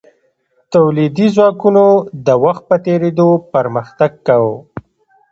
تولیدي ځواکونو د وخت په تیریدو پرمختګ کاوه.